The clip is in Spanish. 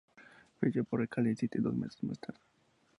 Fichó por el Cardiff City dos meses más tarde.